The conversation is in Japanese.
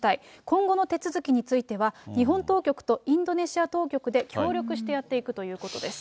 今後の手続きについては、日本当局とインドネシア当局で協力してやっていくということです。